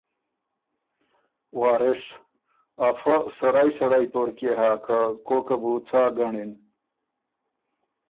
وارث: افۀ سړئ سړئ پورکيې هۀ که کوکه بُو څا ګنړِن۔